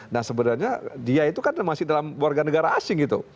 nah sebenarnya dia itu kan masih dalam warga negara asing gitu